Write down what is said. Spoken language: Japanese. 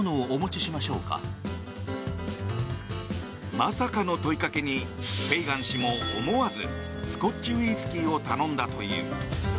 まさかの問いかけにフェイガン氏も思わず、スコッチ・ウイスキーを頼んだという。